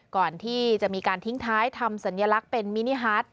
ก่อนที่จะมีการทิ้งท้ายทำสัญลักษณ์เป็นมินิฮัต